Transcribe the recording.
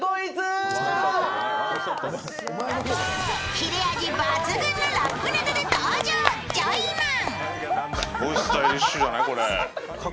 切れ味抜群のラップネタで登場、ジョイマン。